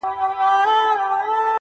چي دولتمند یې که دربدر یې.!